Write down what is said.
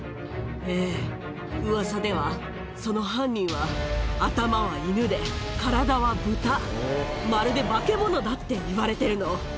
ええ、うわさではその犯人は、頭はイヌで、体はブタ、まるで化け物だっていわれてるの。